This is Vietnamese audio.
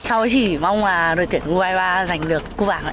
cháu chỉ mong là đội tuyển u hai mươi ba giành được cúp vàng